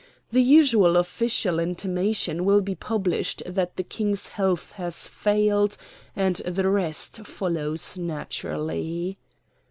The usual official intimation will be published that the King's health has failed, and the rest follows naturally."